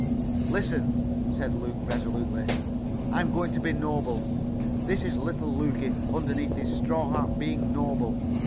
"Listen," said Luke resolutely. "I'm going to be noble. This is little Lukie, underneath his straw hat, being noble.